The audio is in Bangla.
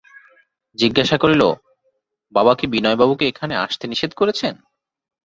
জিজ্ঞাসা করিল, বাবা কি বিনয়বাবুকে এখানে আসতে নিষেধ করেছেন?